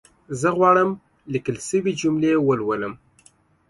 زه غواړم ليکل شوې جملي ولولم